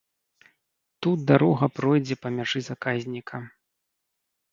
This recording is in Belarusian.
Тут дарога пройдзе па мяжы заказніка.